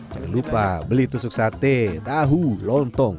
jangan lupa beli tusuk sate tahu lontong